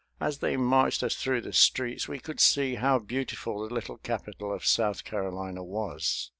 As they marched us through the streets we could see how beautiful the little capital of South Carolina was.